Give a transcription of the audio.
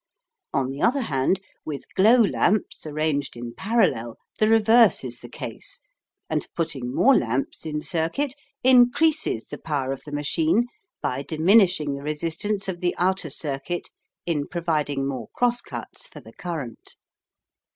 On the other hand, with glow lamps arranged in parallel, the reverse is the case, and putting more lamps in circuit increases the power of the machine, by diminishing the resistance of the outer circuit in providing more cross cuts for the current.